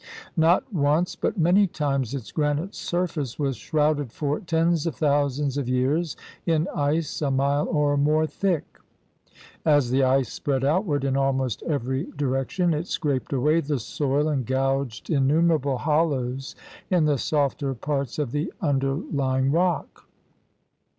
Not once but many times its granite surface was shrouded for tens of thousands of years in ice a mile or more thick. As the ice spread outward in almost every direction, it scraped away the soil and gouged in numerable hollows in the softer parts of the under lying rock.